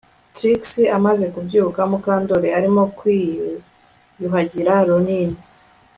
Trix amaze kubyuka Mukandoli arimo kwiyuhagira Ronin